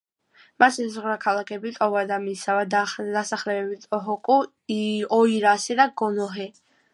მას ესაზღვრება ქალაქები ტოვადა, მისავა, დასახლებები ტოჰოკუ, ოირასე, გონოჰე.